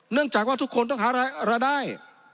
เนื่องจากว่าทุกคนต้องหารายได้